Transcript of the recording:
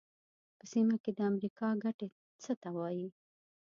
په سیمه کې د امریکا ګټې څه ته وایي.